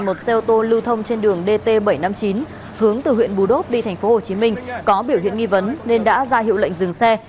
một xe ô tô lưu thông trên đường dt bảy trăm năm mươi chín hướng từ huyện bù đốt đi tp hcm có biểu hiện nghi vấn nên đã ra hiệu lệnh dừng xe